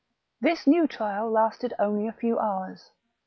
This new trial lasted only a few hours.